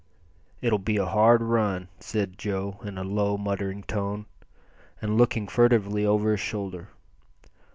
"It'll be a hard run," said Joe in a low, muttering tone, and looking furtively over his shoulder.